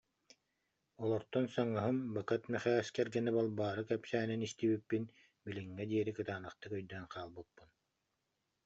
Олортон саҥаһым, Бакат Мэхээс кэргэнэ Балбаара кэпсээнин истибиппин, билиҥҥэ диэри кытаанахтык өйдөөн хаалбыппын